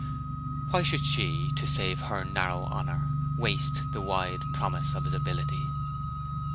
Why should she, to save her narrow honour, waste the wide promise of his ability?